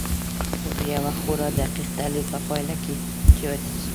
خو د یوه خورا دقیق تحلیل په پایله کې جوتېږي